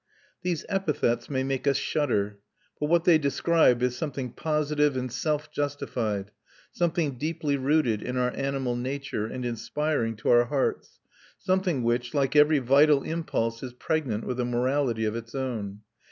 These epithets may make us shudder; but what they describe is something positive and self justified, something deeply rooted in our animal nature and inspiring to our hearts, something which, like every vital impulse, is pregnant with a morality of its own.